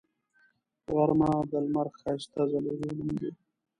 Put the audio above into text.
غرمه د لمر ښایسته ځلیدو نوم دی